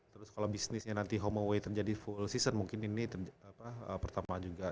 terus kalau bisnisnya nanti home away terjadi full season mungkin ini pertama juga